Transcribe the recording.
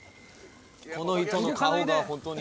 この人の顔が本当に。